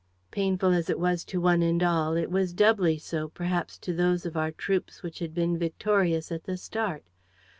Painful as it was to one and all, it was doubly so perhaps to those of our troops which had been victorious at the start.